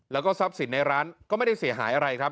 แล้วก็ทรัพย์สินในร้านก็ไม่ได้เสียหายอะไรครับ